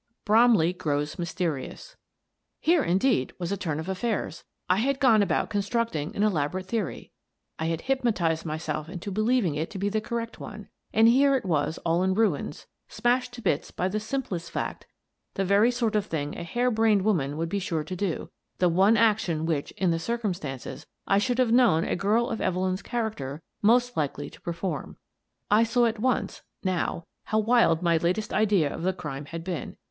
BROMLEY GROWS MYSTERIOUS Here, indeed, was a turn of affairs ! I had gone about constructing an elaborate theory — I had hypnotized myself into believing it to be the correct one — and here it all was in ruins, smashed to bits by the simplest fact, the very sort of thing a hare brained woman would be sure to do, the one action which, in the circumstances, I should have known a girl of Evelyn's character most likely to perform. I saw at once — now — how wild my latest idea of the crime had been.